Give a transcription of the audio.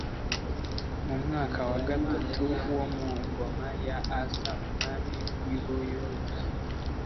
Mu mwaka wa gatatu wo ku ngoma ya Asa umwami w’i Buyuda